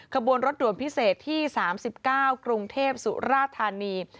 ขบวนรถด่วนพิเศษที่๓๙กรุงเทพสุราธานี